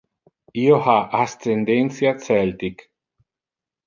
Io ha ascendentia celtic.